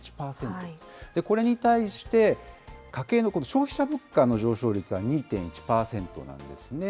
これに対して家計の消費者物価の上昇率は２．１％なんですね。